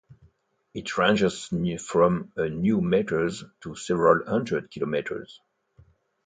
It ranges from a few meters to several hundred kilometers.